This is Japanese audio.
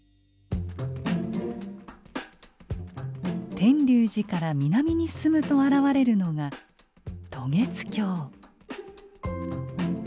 天龍寺から南に進むと現れるのが渡月橋。